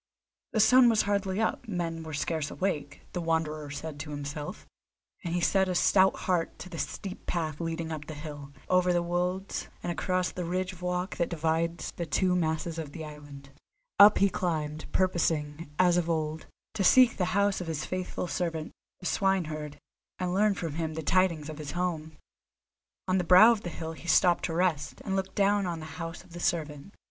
The sun was hardly up, men were scarce awake, the Wanderer said to himself; and he set a stout heart to the steep path leading up the hill, over the wolds, and across the ridge of rock that divides the two masses of the island. Up he climbed, purposing, as of old, to seek the house of his faithful servant, the swineherd, and learn from him the tidings of his home. On the brow of a hill he stopped to rest, and looked down on the house of the servant.